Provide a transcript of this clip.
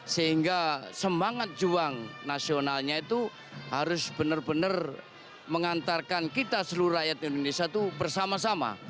sehingga semangat juang nasionalnya itu harus benar benar mengantarkan kita seluruh rakyat indonesia itu bersama sama